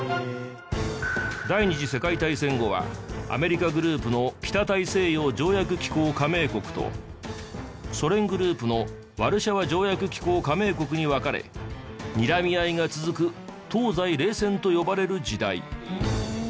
第二次世界大戦後はアメリカグループの北大西洋条約機構加盟国とソ連グループのワルシャワ条約機構加盟国に分かれにらみ合いが続く東西冷戦と呼ばれる時代。